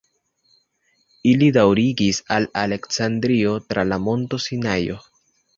Ili daŭrigis al Aleksandrio tra la Monto Sinajo.